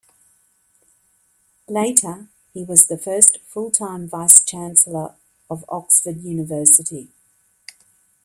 Later he was the first full-time Vice-Chancellor of Oxford University.